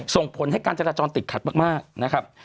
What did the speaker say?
ส่งผลให้การจราจรติดขัดมากนะครับ